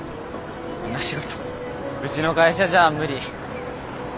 んな仕事うちの会社じゃ無理。